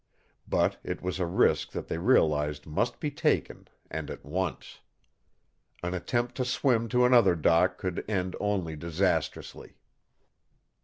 But it was a risk that they realized must be taken and at once. An attempt to swim to another dock could end only disastrously.